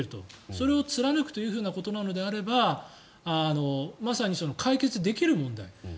それを貫くということなのであればまさに解決できる問題。